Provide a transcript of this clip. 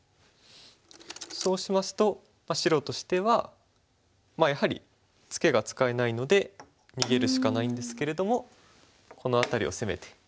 そうしますと白としてはやはりツケが使えないので逃げるしかないんですけれどもこの辺りを攻めて。